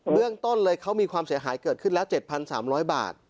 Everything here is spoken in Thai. เรื่องต้นเลยเขามีความเสียหายเกิดขึ้นแล้ว๗๓๐๐บาท